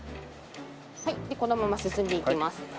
このまま進んでいきます。